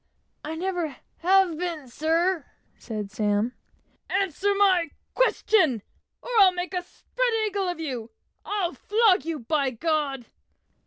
"I never have been, sir," said Sam. "Answer my question, or I'll make a spread eagle of you! I'll flog you, by G d."